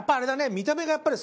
見た目がやっぱり。